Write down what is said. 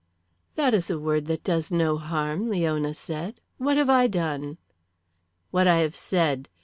"That is a word that does no harm," Leona said. "What have I done?" "What I have said.